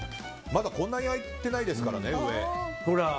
まだこんなに開いてないですからね、上。